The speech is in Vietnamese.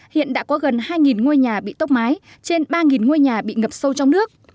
hiện đã có gần hai ngôi nhà bị tốc mái trên ba ngôi nhà bị ngập sâu trong nước